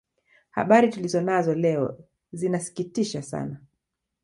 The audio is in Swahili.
habari tulizo nazo leo zinasikitisha sana